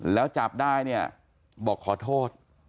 แล้วจับได้เนี่ยบอกขอโทษ